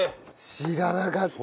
知らなかった！